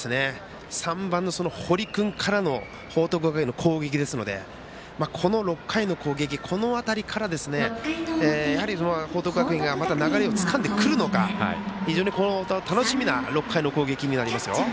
３番の堀君からの報徳学園の攻撃ですのでこの６回の攻撃、この辺りから報徳学園が流れをつかんでくるのか非常に楽しみな６回の攻撃になります。